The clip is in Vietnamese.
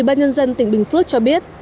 ủy ban nhân dân tỉnh bình phước cho biết